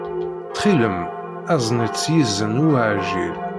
Ttxil-m, azen-itt s yizen uɛjil.